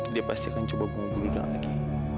dia pasti akan coba bunuh diri dia lagi